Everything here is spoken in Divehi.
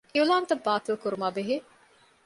އިޢުލާންތައް ބާތިލްކުރުމާއި ބެހޭ